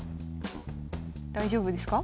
大丈夫ですか？